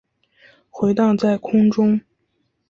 回荡在空中